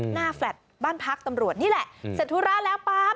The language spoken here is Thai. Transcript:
แฟลต์บ้านพักตำรวจนี่แหละเสร็จธุระแล้วปั๊บ